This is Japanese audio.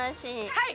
はい。